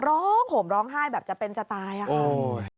ห่มร้องไห้แบบจะเป็นจะตายอะค่ะ